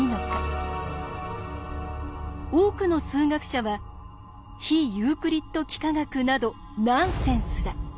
多くの数学者は「非ユークリッド幾何学などナンセンスだ。